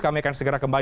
kami akan segera kembali